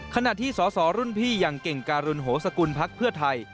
ขณะที่สสรุ่นพี่อย่างเก่งการุณโหสกุลพักเพื่อไทย